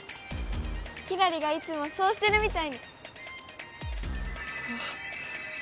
キラリがいつもそうしてるみたいに。